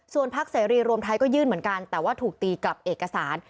ส่วนพักเสรีรวมไทยก็ยื่นเหมือนกันแต่ว่าถูกตีกลับเอกสาร